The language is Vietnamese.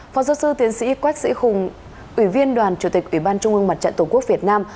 phó giáo sư tiến sĩ quách sĩ hùng ủy viên đoàn chủ tịch ủy ban trung ương mặt trận tổ quốc việt nam